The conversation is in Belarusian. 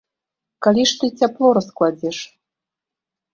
Калі ж ты цяпло раскладзеш?